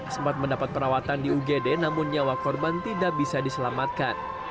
sempat mendapat perawatan di ugd namun nyawa korban tidak bisa diselamatkan